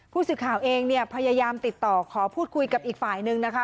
ผู้สื่อข่าวเองเนี่ยพยายามติดต่อขอพูดคุยกับอีกฝ่ายนึงนะคะ